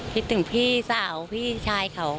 คิดถึงพี่สาวพี่ชายเขา